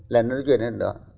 là nó chuyển lên đó